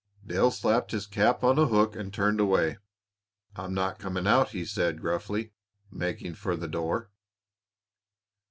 Dale slapped his cap on a hook and turned away. "I'm not coming out," he said gruffly, making for the door.